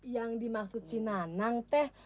yang dimaksud si nanang teh